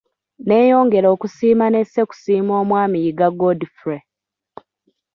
Neeyongera okusiima ne ssekusiima omwami Yiga Godfrey.